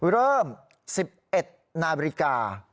เริ่ม๑๑นาฬิกา